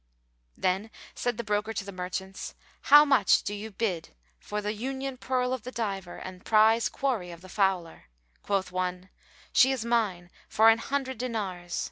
"[FN#454] Then said the broker to the merchants,[FN#455] "How much do ye bid for the union pearl of the diver and prize quarry of the fowler?" Quoth one, "She is mine for an hundred dinars."